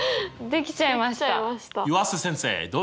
できちゃいました。